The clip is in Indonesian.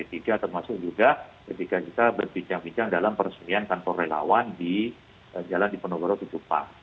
termasuk juga ketika kita berbincang bincang dalam peresmian kantor relawan di jalan dipenogoro ke jepang